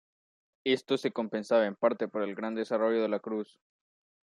Esto se compensaba en parte por el gran desarrollo de la cruz.